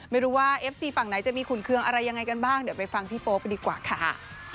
ไม่รู้ว่าเอฟซีฝั่งไหนจะมีขุนเครื่องอะไรยังไงกันบ้างเดี๋ยวไปฟังพี่โป๊ไปดีกว่าค่ะ